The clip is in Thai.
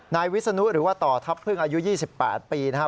นายวิศนุหรือว่าต่อทัพพึ่งอายุ๒๘ปีนะครับ